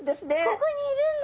ここにいるんだ。